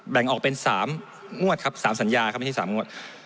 แบ่งออกเป็น๓งวดครับ๓สัญญาครับไม่ใช่๓งวด